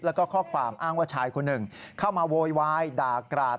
แล้วก็ข้อความอ้างว่าชายคนหนึ่งเข้ามาโวยวายด่ากราด